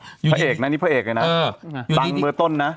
พระเอกนะนี่พระเอกเลยนะดังเบอร์ต้นนะ